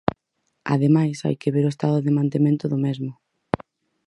Ademais, hai que ver o estado de mantemento do mesmo.